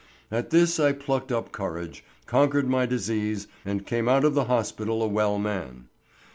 At this I plucked up courage, conquered my disease and came out of the hospital a well man.